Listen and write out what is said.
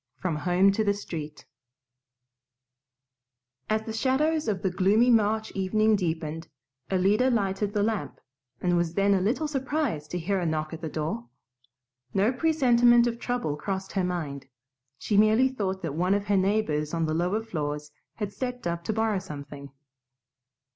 From Home to the Street As the shadows of the gloomy March evening deepened, Alida lighted the lamp, and was then a little surprised to hear a knock at the door. No presentiment of trouble crossed her mind; she merely thought that one of her neighbors on the lower floors had stepped up to borrow something.